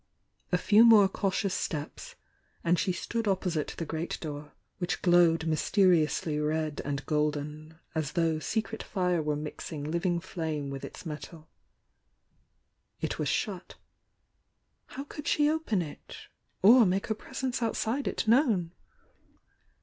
A few more cautious steps, and she stood opposite the great door, which glowed mysteriously red and golden, as though secret fire were mixing living flame with its metal. It was shut. How could she open it? — or make her presence ovtside it known?